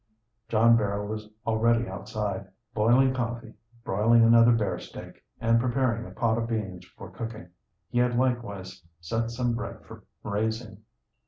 John Barrow was already outside, boiling coffee, broiling another bear steak, and preparing a pot of beans for cooking. He had likewise set some bread for raising.